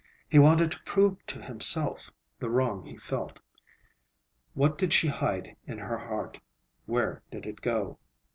He wanted to prove to himself the wrong he felt. What did she hide in her heart? Where did it go?